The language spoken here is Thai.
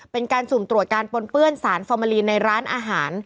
เป็นการสุ่มตรวจการปนเปื้อนสารฟอร์มาลีนในร้านอาหาร